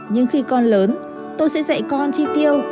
nhưng khi con lớn tôi sẽ dạy con chi tiêu